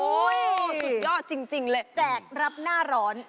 สุดยอดจริงเลยแจกรับหน้าร้อน